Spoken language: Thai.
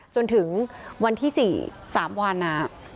จนถึงวันที่๔สามวันนะ